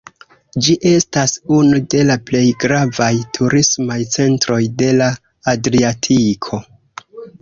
Ĝi estas unu de la plej gravaj turismaj centroj de la Adriatiko.